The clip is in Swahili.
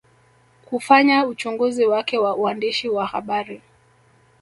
Kufanya uchunguzi wake wa uandishi wa habari